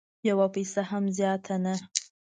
یوه پیسه هم زیاته نه